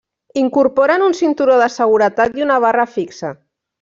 Incorporen un cinturó de seguretat i una barra fixe.